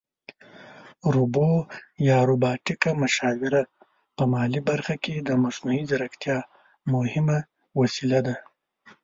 روبو یا روباټیکه مشاوره په مالي برخه کې د مصنوعي ځیرکتیا مهمه وسیله ده